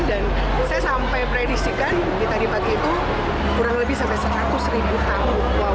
dan saya sampai predistikan di pagi itu kurang lebih sampai seratus ribu tamu